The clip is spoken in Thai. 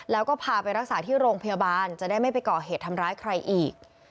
แล้วก็พาไปรักษาที่โรงพยาบาลจะได้ไม่ไปก่อเหตุทำร้ายใครอีก